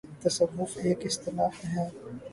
' تصوف‘ ایک اصطلاح ہے۔